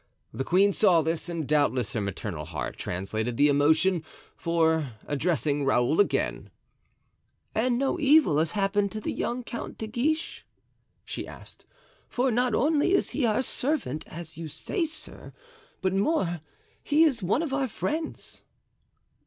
The queen saw this, and doubtless her maternal heart translated the emotion, for addressing Raoul again: "And no evil has happened to the young Count de Guiche?" she asked; "for not only is he our servant, as you say, sir, but more—he is one of our friends."